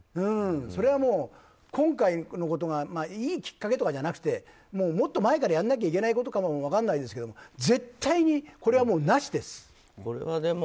それはもう、今回のことがいいきっかけとかじゃなくてもっと前からやらなきゃいけないことかも分からないですけど絶対に、これはなしです。